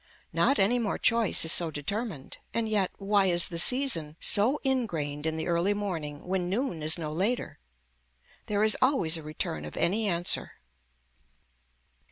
Not any more choice is so determined, and yet, why is the season so ingrained in the early morning when noon is no later. There is always a return of any answer.